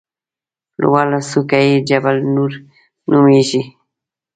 لوړه څوکه یې جبل نور نومېږي.